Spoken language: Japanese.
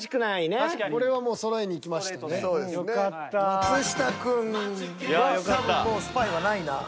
松下くんは多分もうスパイはないな。